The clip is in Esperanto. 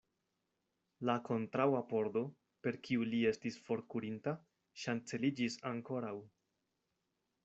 La kontraŭa pordo, per kiu li estis forkurinta, ŝanceliĝis ankoraŭ.